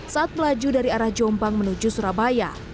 saat melaju dari arah jombang menuju surabaya